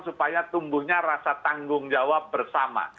supaya tumbuhnya rasa tanggung jawab bersama